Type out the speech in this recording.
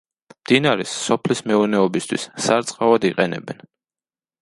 მდინარეს სოფლის მეურნეობისთვის, სარწყავად იყენებენ.